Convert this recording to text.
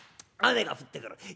雨が降ってくる。